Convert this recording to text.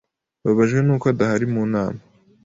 Mbabajwe nuko adahari mu nama.